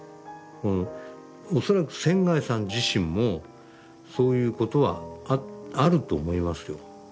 恐らく仙さん自身もそういうことはあると思いますよ。